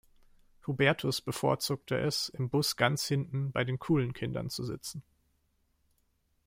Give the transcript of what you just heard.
Hubertus bevorzugte es im Bus ganz hinten bei den coolen Kindern zu sitzen.